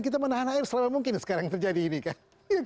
kita menahan air selama mungkin sekarang terjadi ini kan